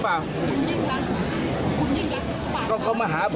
ไปเรียกมา